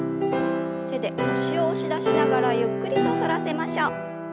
手で腰を押し出しながらゆっくりと反らせましょう。